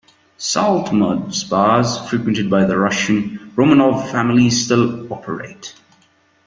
Salt mud spas frequented by the Russian Romanov family still operate.